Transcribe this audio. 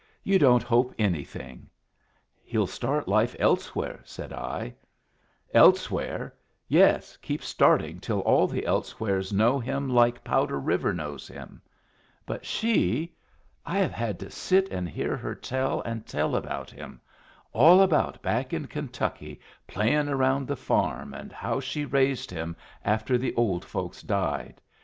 "You don't hope anything." "He'll start life elsewhere," said I. "Elsewhere! Yes, keep starting till all the elsewheres know him like Powder River knows him. But she! I have had to sit and hear her tell and tell about him; all about back in Kentucky playin' around the farm, and how she raised him after the old folks died.